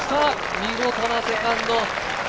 見事なセカンド。